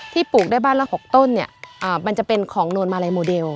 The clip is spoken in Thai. ปลูกได้บ้านละ๖ต้นเนี่ยมันจะเป็นของนวลมาลัยโมเดล